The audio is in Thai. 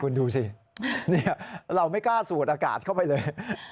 คุณดูสิเราไม่กล้าสูดอากาศเข้าไปเลย